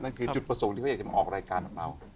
จุดประสงค์ที่เขาอยากจะมาออกรายการของเรา